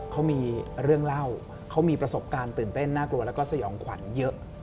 เขามีเรื่องเล่าเขามีประสบการณ์ตื่นเต้นน่ากลัวแล้วก็สยองขวัญเยอะ